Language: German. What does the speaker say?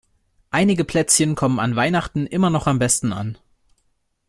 Eigene Plätzchen kommen an Weihnachten immer noch am besten an.